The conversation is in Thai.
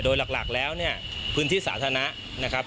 โดยหลักแล้วเนี่ยพื้นที่สาธารณะนะครับ